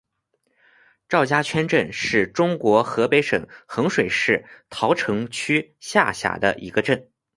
赵家圈镇是中国河北省衡水市桃城区下辖的一个镇。